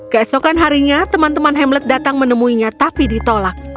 kemarin teman teman hamlet akan menemuinya tapi ditolak